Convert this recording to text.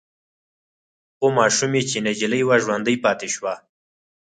خو ماشوم يې چې نجلې وه ژوندۍ پاتې شوه.